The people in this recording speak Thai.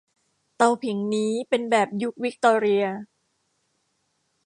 เตาผิงนี้เป็นแบบยุควิคตอเรีย